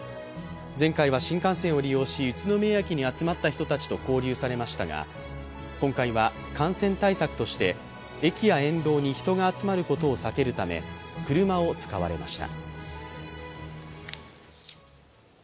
前回は新幹線を利用し宇都宮駅に集まった人たちと交流されましたが、今回は感染対策として駅や沿道に人が集まることを避けるため、車を使われました。